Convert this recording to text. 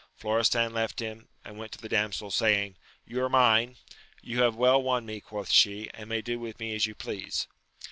Florestan left him, and went to the damsel, saying. You are mine ! You have well won me, quoth she, and may do with me as you please.